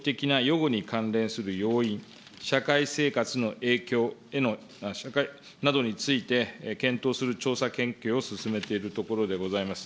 ごに関連する要因、社会生活の影響へのなどについて、検討する調査研究を進めているところでございます。